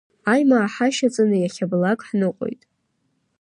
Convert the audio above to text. Аимаа ҳашьаҵаны иахьабалк ҳныҟәоит…